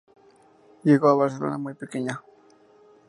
Llegó a Barcelona de muy pequeña.